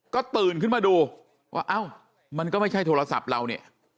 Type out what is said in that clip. ก็ตื่นขึ้นมาดูว่าเอ้ามันก็ไม่ใช่โทรศัพท์เราเนี่ย